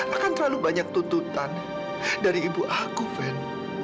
akan terlalu banyak tuntutan dari ibu aku fen